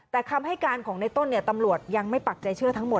แต่คำให้การของในต้นตำรวจยังไม่ปักใจเชื่อทั้งหมด